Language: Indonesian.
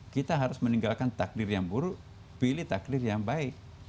kita harus meninggalkan takdir yang buruk pilih takdir yang baik